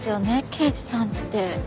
刑事さんって。